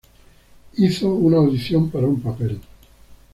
Hizo una audición para un papel.